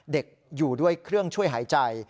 เด็กอยู่ด้วยเครื่องช่วยหายใจ